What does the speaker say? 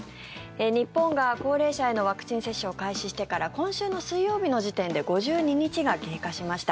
日本が高齢者へのワクチン接種を開始してから今週の水曜日の時点で５２日が経過しました。